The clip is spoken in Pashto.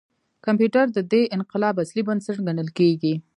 کمپیوټر د دې انقلاب اصلي بنسټ ګڼل کېږي.